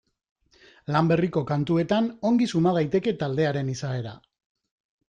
Lan berriko kantuetan ongi suma daiteke taldearen izaera.